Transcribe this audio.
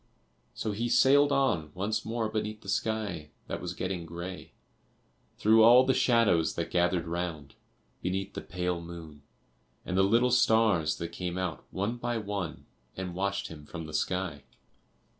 So he sailed on once more beneath the sky that was getting grey, through all the shadows that gathered round, beneath the pale moon, and the little stars that came out one by one and watched him from the sky.